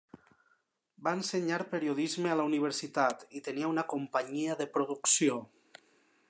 Va ensenyar periodisme a la universitat, i tenia una companyia de producció.